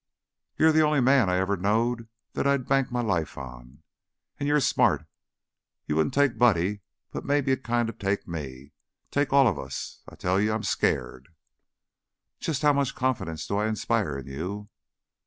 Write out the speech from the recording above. "You're the only man I ever knowed that I'd bank my life on. An' you're smart. You wouldn't take Buddy, but mebbe you'd kinda take me; take all of us. I tell you I'm skeered!" "Just how much confidence do I inspire in you?"